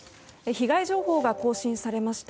被害情報が更新されました。